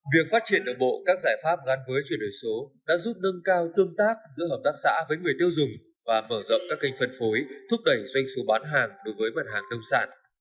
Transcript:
việc phát triển đồng bộ các giải pháp gắn với chuyển đổi số đã giúp nâng cao tương tác giữa hợp tác xã với người tiêu dùng và mở rộng các kênh phân phối thúc đẩy doanh số bán hàng đối với mặt hàng nông sản